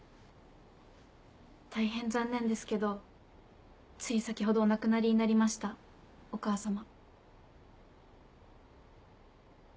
大変残念ですけどつい先ほどお亡くなりになりましたお母様。